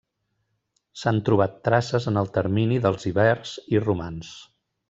S'han trobat traces en el termini dels ibers i romans.